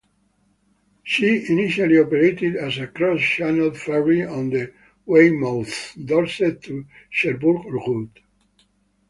She initially operated as a cross-channel ferry on the Weymouth, Dorset to Cherbourg route.